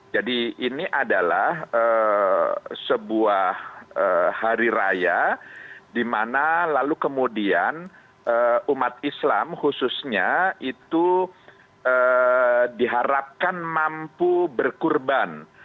jadi ini adalah sebuah hari raya di mana lalu kemudian umat islam khususnya itu diharapkan mampu berkurban